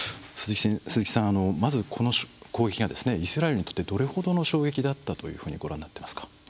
鈴木さん、まずこの攻撃はイスラエルにとってどれほどの衝撃だったとご覧になっていますか？